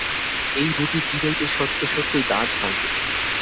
এই রুটি চিবাইতে সত্য সত্যই দাঁত ভাঙে।